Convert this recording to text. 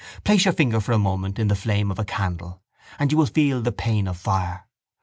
Place your finger for a moment in the flame of a candle and you will feel the pain of fire.